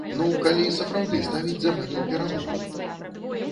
Ну, калі сапраўды ставіць за мэту перамогу?